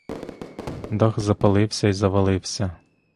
Дах запалився й завалився.